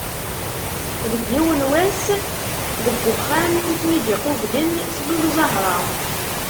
Deg yiwen n wass deg uxxam i ten-id-iqublen tlul Zahra.